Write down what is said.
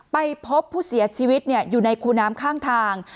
ไปพบผู้เสียชีวิตอยู่ในคูน้ำข้างทาง